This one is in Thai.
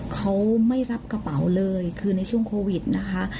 เขาไม่รับกระเป๋าเลยคือในช่วงโควิดนะคะ